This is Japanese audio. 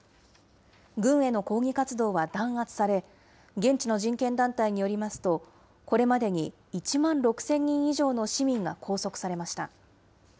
軍への抗議活動は弾圧され、現地の人権団体によりますと、これまでに１万６０００人以上の市民が拘束されました。